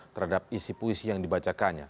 terhadap isi puisi yang dibacakannya